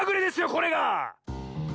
これが！